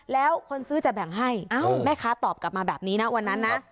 แล้วคนซื้อจะแบ่งให้แม่ค้าตอบกลับมาแบบนี้นะวันนั้นนะ